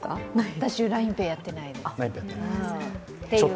私、ＬＩＮＥＰａｙやっていないです。